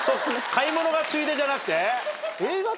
買い物がついでじゃなくて？